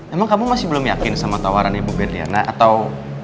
emang kamu masih belum yakin sama tawaran ibu berdiana atau